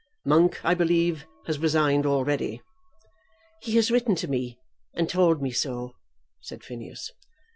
Monk, I believe, has resigned already." "He has written to me, and told me so," said Phineas.